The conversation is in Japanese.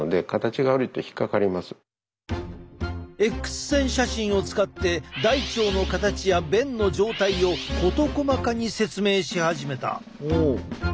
Ｘ線写真を使って大腸の形や便の状態を事細かに説明し始めた。